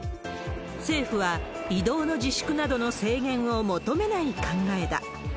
政府は移動の自粛などの制限を求めない考えだ。